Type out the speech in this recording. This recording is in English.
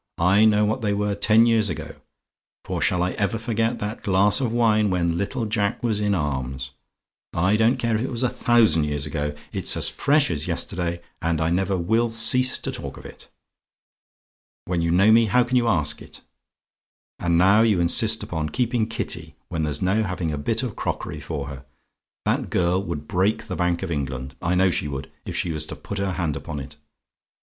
I know what they were ten years ago; for shall I ever forget that glass of wine when little Jack was in arms? I don't care if it was a thousand years ago, it's as fresh as yesterday, and I never will cease to talk of it. When you know me, how can you ask it? "And now you insist upon keeping Kitty, when there's no having a bit of crockery for her? That girl would break the Bank of England I know she would if she was to put her hand upon it.